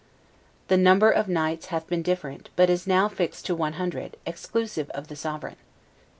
The number of the knights hath been different, but is now fixed to ONE HUNDRED, exclusive of the sovereign.